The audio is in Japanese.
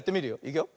いくよ。